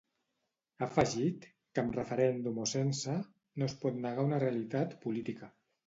Ha afegit que amb referèndum o sense, no es pot negar una realitat política.